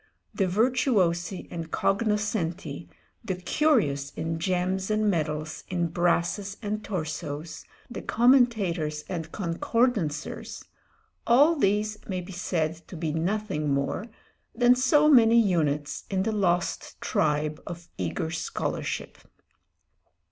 The virtuosi and cognoscenti, the curious in gems and medals, in brasses and torsos, the commentators and concordancers, all these may be said to be nothing more than so many units in the lost tribe of eager scholarship.